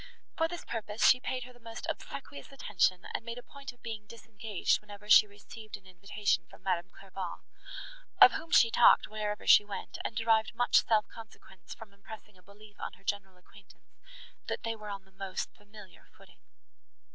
For this purpose she paid her the most obsequious attention, and made a point of being disengaged, whenever she received an invitation from Madame Clairval, of whom she talked, wherever she went, and derived much self consequence from impressing a belief on her general acquaintance, that they were on the most familiar footing.